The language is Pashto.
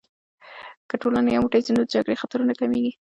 که ټولنه یو موټی سي، نو د جګړې خطرونه کمېږي.